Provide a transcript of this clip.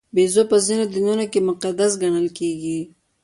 بیزو په ځینو دینونو کې مقدس ګڼل کېږي.